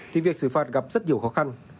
thì việc xử phạt gặp rất nhiều khó khăn